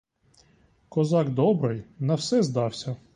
Козак добрий, на все здався.